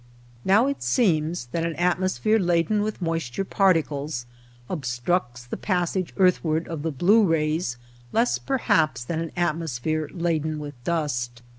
Now it seems that an atmosphere laden with moisture particles obstructs the passage earth ward of the blue rays, less perhaps than an atmosphere laden with dust.